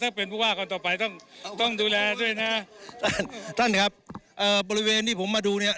ถ้าเป็นผู้ว่าคนต่อไปต้องต้องดูแลด้วยนะท่านท่านครับเอ่อบริเวณที่ผมมาดูเนี่ย